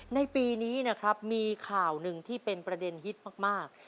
ในปีนี้นะครับมีข่าวหนึ่งที่เป็นประเด็นฮิตมาก